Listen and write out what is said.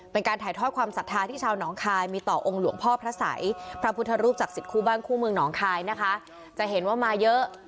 เป็นการถ่ายทอดความสัทธาที่ชาวหนองคัย